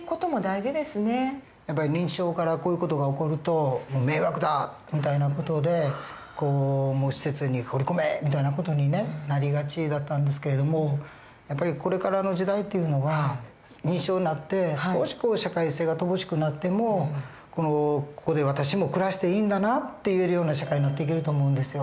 やっぱり認知症からこういう事が起こると「迷惑だ！」みたいな事で施設に放り込めみたいな事にねなりがちだったんですけれどもやっぱりこれからの時代っていうのは認知症になって少し社会性が乏しくなっても「ここで私も暮らしていいんだな」って言えるような社会になっていけると思うんですよ。